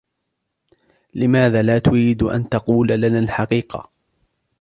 لماذا لا تريد أن تقول لنا الحقيقة ؟